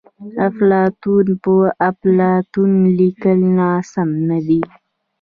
افلاطون په اپلاتون لیکل ناسم ندي.